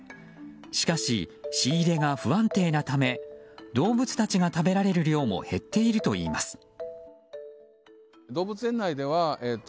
しかし、仕入れが不安定なため動物達が食べられる量も減っているといいます。